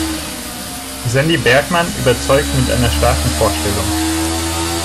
Sandy Bergmann überzeugt mit einer starken Vorstellung.